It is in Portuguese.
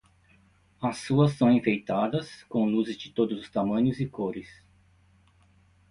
As ruas são enfeitadas com luzes de todos os tamanhos e cores.